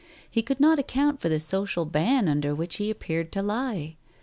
He could not account for the social ban under which he appeared to lie.